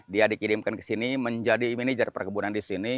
dia dikirimkan ke sini menjadi manajer perkebunan disini